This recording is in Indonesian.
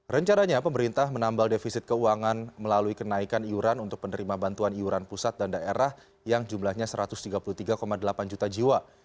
rencananya pemerintah menambal defisit keuangan melalui kenaikan iuran untuk penerima bantuan iuran pusat dan daerah yang jumlahnya satu ratus tiga puluh tiga delapan juta jiwa